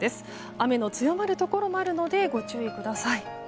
雨の強まるところもあるのでご注意ください。